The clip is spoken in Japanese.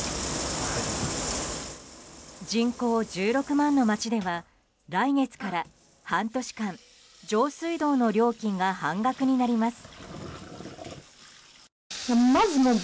人口１６万の街では来月から半年間上水道の料金が半額になります。